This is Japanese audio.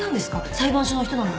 裁判所の人なのに？